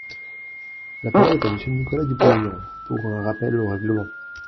La parole est à Monsieur Nicolas Dupont-Aignan, pour un rappel au règlement.